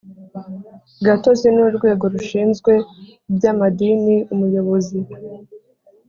gatozi n Urwego Rushinzwe iby Amadini Umuyobozi